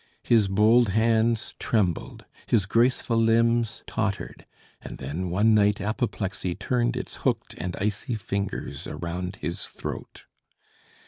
His bold hands trembled, his graceful limbs tottered, and then one night apoplexy turned its hooked and icy fingers around his throat.